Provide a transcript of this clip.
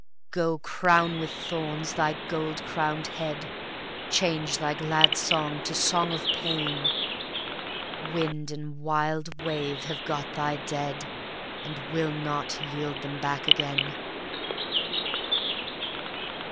Go! crown with thorns thy gold crowned head, Change thy glad song to song of pain; Wind and wild wave have got thy dead, And will not yield them back again.